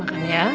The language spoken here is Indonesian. ya makan ya